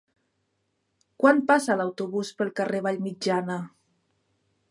Quan passa l'autobús pel carrer Vallmitjana?